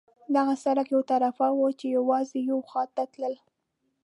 دغه سړک یو طرفه وو، چې یوازې یوې خوا ته تلل.